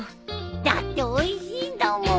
だっておいしいんだもん！